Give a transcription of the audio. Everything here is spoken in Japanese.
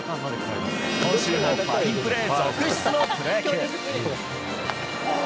今週もファインプレー続出のプロ野球。